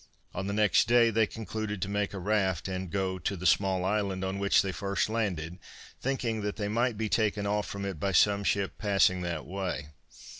On the next day they concluded to make a raft and go to the small island on which they first landed, thinking that they might be taken off from it by some ship passing that way.